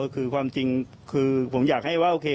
คือความจริงคือผมอยากให้ว่าโอเค